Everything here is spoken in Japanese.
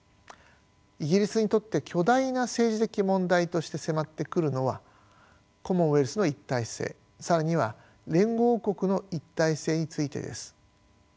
イギリスにとって巨大な政治的問題として迫ってくるのはコモンウェルスの一体性更には連合王国の一体性についてです。